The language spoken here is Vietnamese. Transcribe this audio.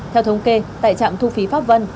theo thống kê tại trạm thu phí pháp vân